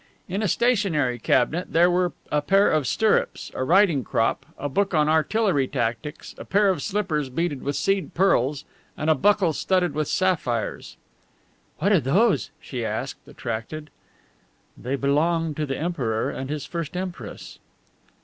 In a stationary cabinet there were a pair of stirrups, a riding crop, a book on artillery tactics, a pair of slippers beaded with seed pearls, and a buckle studded with sapphires. "What are those?" she asked, attracted. "They belonged to the Emperor and his first Empress."